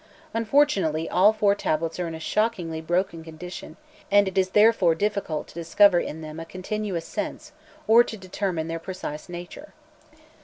Unfortunately, all four tablets are in a shockingly broken condition, and it is therefore difficult to discover in them a continuous sense, or to determine their precise nature.